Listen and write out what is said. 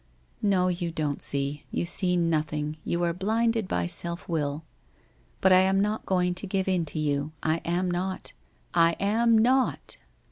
No, you don't see, you see noth ing, you are blinded by self will. But I am not going to give in to you. I am not. I am not